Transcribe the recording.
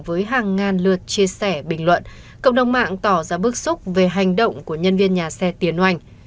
với hàng ngàn lượt chia sẻ bình luận cộng đồng mạng tỏ ra bức xúc về hành động của nhân viên nhà xe tiến oanh